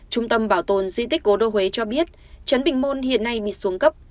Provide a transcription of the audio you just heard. trung tâm bảo tồn di tích cố đô huế cho biết chấn bình môn hiện nay bị xuống cấp